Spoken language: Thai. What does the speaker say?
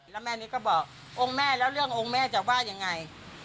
แล้วแม่นี้ก็บอกองค์แม่แล้วเรื่ององค์แม่จะว่ายังไง